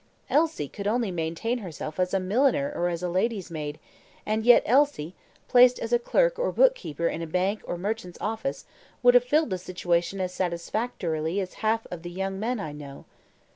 Elsie could only maintain herself as a milliner or as a lady's maid; and yet Elsie, placed as a clerk or bookkeeper in a bank or merchant's office, would have filled the situation as satisfactorily as half the young men I know."